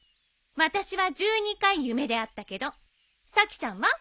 私は１２回夢で会ったけどさきちゃんは？